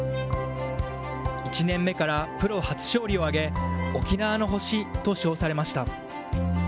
１年目からプロ初勝利を挙げ、沖縄の星と称されました。